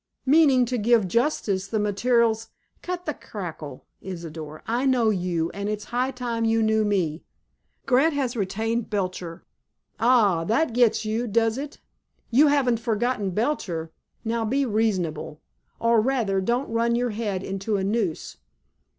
"Meaning to give justice the materials—" "Cut the cackle, Isidor. I know you, and it's high time you knew me. Grant has retained Belcher. Ah! that gets you, does it? You haven't forgotten Belcher. Now, be reasonable! Or, rather, don't run your head into a noose.